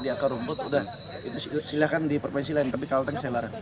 di akar rumput udah silahkan di provinsi lain tapi kalteng saya larang